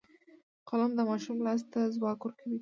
قلم د ماشوم لاس ته ځواک ورکوي